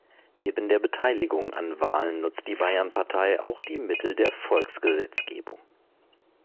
Neben der Beteiligung an Wahlen nutzt die Bayernpartei auch die Mittel der Volksgesetzgebung.